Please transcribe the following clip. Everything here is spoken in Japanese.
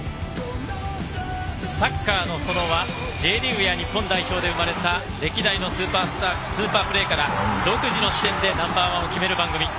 「サッカーの園」はＪリーグや日本代表で生まれた歴代のスーパープレーから独自の視点でナンバー１を決める番組。